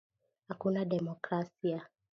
Hakuna demokrasia